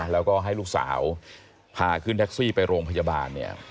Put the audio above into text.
แล้วก็ให้ลูกสาวพาขึ้นแท็กซี่ไปโรงพยาบาลเนี่ย